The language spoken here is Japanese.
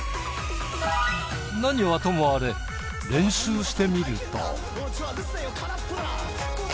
何はともあれ練習してみると。